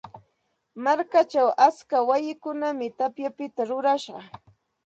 Markachaw atska wayikunam tapyapita rurashqa.